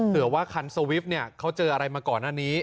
เผื่อว่าคันสวิปเนี่ยเขาเจออะไรมาก่อนหน้านี้